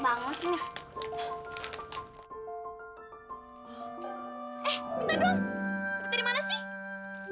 dapet di mana sih